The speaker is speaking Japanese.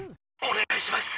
「お願いします。